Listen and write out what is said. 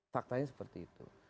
faktanya seperti itu